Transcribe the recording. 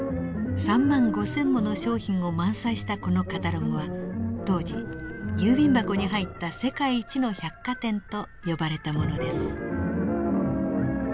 ３万５，０００もの商品を満載したこのカタログは当時郵便箱に入った世界一の百貨店と呼ばれたものです。